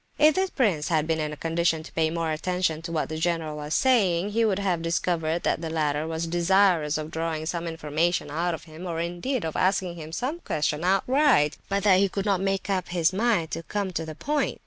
If the prince had been in a condition to pay more attention to what the general was saying, he would have discovered that the latter was desirous of drawing some information out of him, or indeed of asking him some question outright; but that he could not make up his mind to come to the point.